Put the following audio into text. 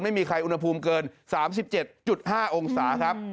ไม่มีใครอุณหภูมิเกิน๓๗๕องศาครับ